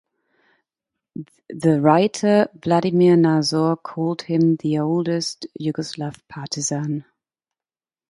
The writer Vladimir Nazor called him the oldest Yugoslav Partisan.